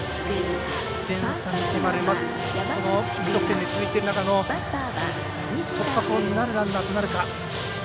無得点で続いている中での突破口になるランナーとなるか。